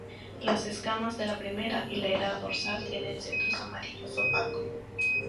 Las escamas de la primera hilera dorsal tienen centros amarillo opaco.